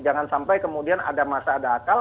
jangan sampai kemudian ada masa ada akal